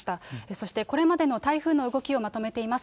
そしてこれまでの台風の動きをまとめています。